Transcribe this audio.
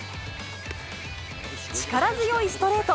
力強いストレート。